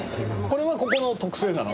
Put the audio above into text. これはここの特製なの？